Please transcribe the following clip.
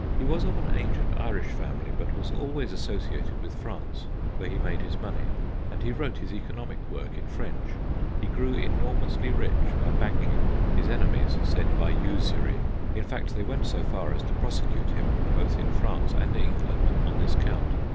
He was of an ancient Irish family, but was always asso MURDER AND ARSON 251 elated with France, where he made his money, and he wrote his economic work in French. He grew enormously rich by banking his enemies said by usury ; in fact, they went so far as to prosecute him both in France and England on this count.